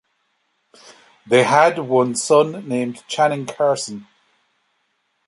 They had one son named Channing Carson.